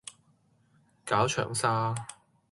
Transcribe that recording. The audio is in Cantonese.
絞腸痧